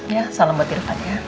ya salam buat diri kalian ya